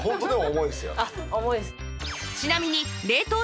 重いです。